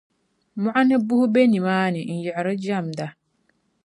mɔɣu ni buhi be nimaani n-yiɣiri jamda.